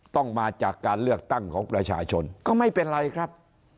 ต้องมาจากการเลือกตั้งของประชาชนก็ไม่เป็นไรครับ